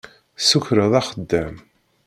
Tessukreḍ axeddam.